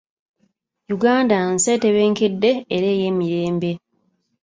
Uganda nsi etebenkedde era ey'emirembe.